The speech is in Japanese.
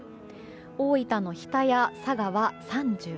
大分の日田や佐賀は３１度。